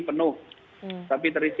penuh tapi terisi